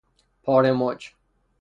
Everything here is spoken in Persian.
پاره موج